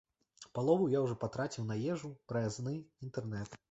Палову я ўжо патраціў на ежу, праязны, інтэрнэт.